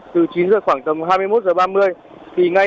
từ chín h khoảng tầm hai mươi một h ba mươi